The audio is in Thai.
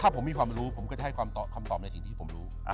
ถ้าผมมีความรู้ผมก็จะให้คำตอบในสิ่งที่ผมรู้